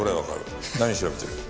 何調べてる？